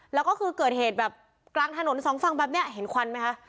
แล้วก็คือเกิดเหตุแบบกลางถนนสองฝั่งแบบนี้เห็นควันไหมคะ